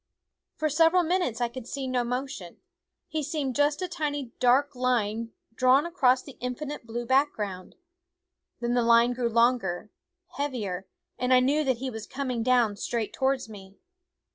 For several minutes I could see no motion; he seemed \]fl/frj//na/s 0/e just a tiny dark line drawn across the infinite blue background. Then the line grew longer, heavier; and I knew that he was coming down straight towards me.